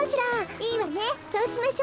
いいわねそうしましょ。